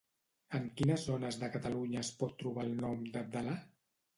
En quines zones de Catalunya es pot trobar el nom d'Abdellah?